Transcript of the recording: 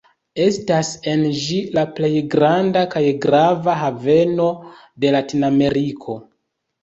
Estas en ĝi la plej granda kaj grava haveno de Latinameriko.